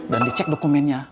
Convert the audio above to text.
dan dicek dokumennya